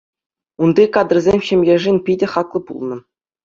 Унти кадрсем ҫемьешӗн питӗ хаклӑ пулнӑ.